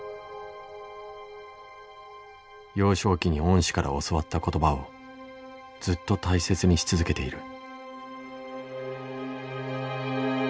幼少期に恩師から教わった言葉をずっと大切にし続けている。